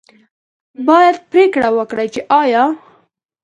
باید پرېکړه وکړي چې آیا